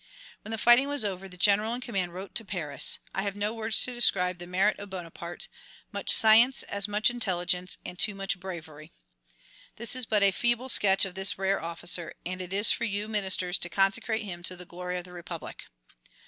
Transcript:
When the fighting was over the general in command wrote to Paris: "I have no words to describe the merit of Bonaparte; much science, as much intelligence, and too much bravery. This is but a feeble sketch of this rare officer, and it is for you, ministers, to consecrate him to the glory of the Republic."